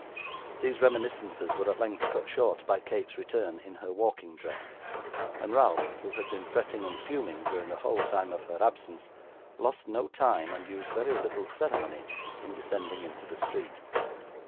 These reminiscences were at length cut short by Kate's return in her walking dress, when Ralph, who had been fretting and fuming during the whole time of her absence, lost no time, and used very little ceremony, in descending into the street.